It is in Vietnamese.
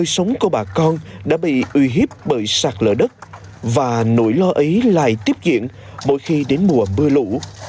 sống của bà con đã bị uy hiếp bởi sạt lỡ đất và nỗi lo ấy lại tiếp diễn mỗi khi đến mùa mưa lũ